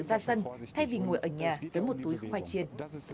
ra sân thay vì ngồi ở nhà với một túi khoai chiên